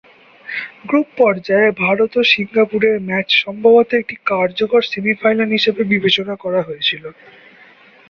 Group পর্যায়ে ভারত ও সিঙ্গাপুরের ম্যাচ সম্ভবত একটি কার্যকর সেমিফাইনাল হিসাবে বিবেচনা করা হয়েছিল।